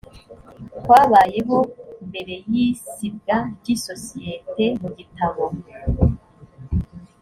kwabayeho mbere y’isibwa ry’isosiyete mu gitabo